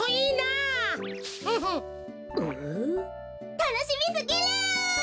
たのしみすぎる！ほい。